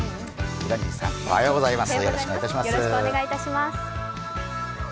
江藤さん、おはようございます。